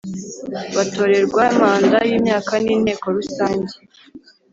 Batorerwa manda y imyaka n inteko rusange